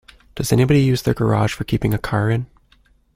Does anybody use their garage for keeping a car in?